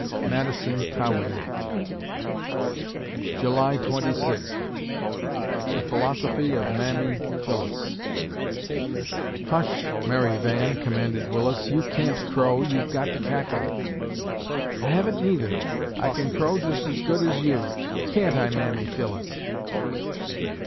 MADISON CAWEIN July Twenty Sixth THE PHILOSOPHY OF MAMMY PHYLLIS "Hush, Mary Van," commanded Willis; "you can't crow, you've got to cackle." "I haven't neether; I can crow just as good as you. Can't I, Mammy Phyllis?"